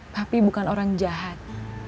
papi bukan orang jahat